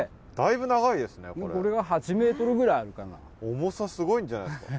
重さすごいんじゃないですか？